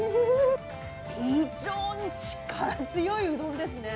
非常に力強いうどんですね。